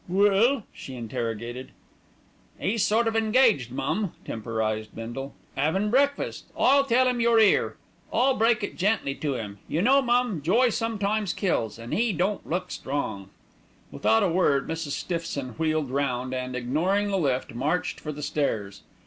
"Well?" she interrogated. "'E's sort of engaged, mum," temporised Bindle, "'avin' breakfast. I'll tell 'im you're 'ere. I'll break it gently to 'im. You know, mum, joy sometimes kills, an' 'e don't look strong." Without a word Mrs. Stiffson wheeled round and, ignoring the lift, marched for the stairs.